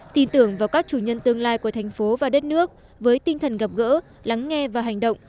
tin tưởng vào các chủ nhân tương lai của thành phố và đất nước với tinh thần gặp gỡ lắng nghe và hành động